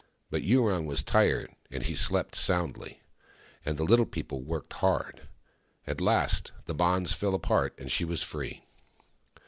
But Yurong was tired, and he slept soundly : and the Little People worked hard. At last the bonds fell apart and she was free.